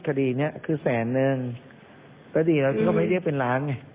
คดีเราก็ไม่ได้เรียกเป็นล้านไง